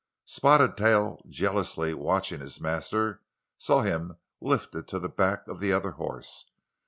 Spotted Tail, jealously watching his master, saw him lifted to the back of the other horse.